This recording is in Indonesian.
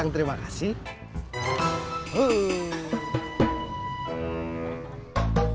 terima kasih teh